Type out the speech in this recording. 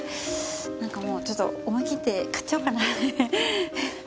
なんかもうちょっと思い切って買っちゃおうかな。